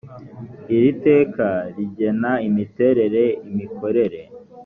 iri teka rigena imiterere imikorere